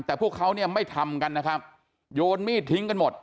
แต่พวกเขาเนี่ยไม่ทำกันนะครับโยนมีดทิ้งกันหมด